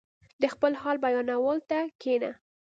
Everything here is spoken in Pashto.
• د خپل حال بیانولو ته کښېنه.